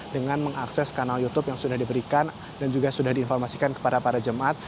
dengan mengakses kanal youtube yang sudah diberikan dan juga sudah diinformasikan kepada para jemaat